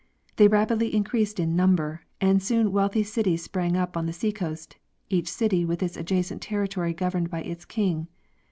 They rapidly increased in number, and soon wealthy cities sprang up on the sea coast, each city with its adjacent territory governed by its king.